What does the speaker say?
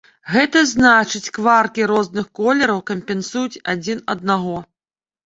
Гэта значыць, кваркі розных колераў кампенсуюць адзін аднаго.